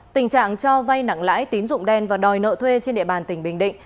tình trạng cho vay nặng lãi tín dụng đen và đòi nợ thuê trên địa bàn tỉnh bình định